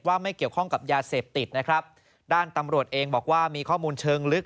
ไม่เกี่ยวข้องกับยาเสพติดนะครับด้านตำรวจเองบอกว่ามีข้อมูลเชิงลึก